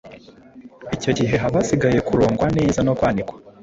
Icyo gihe haba hasigaye kurongwa neza no kwanikwa.